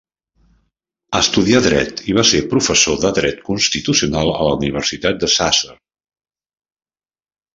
Estudià dret i va ser professor de Dret Constitucional a la Universitat de Sàsser.